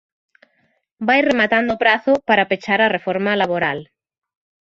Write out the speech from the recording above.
Vai rematando o prazo para pechar a reforma laboral.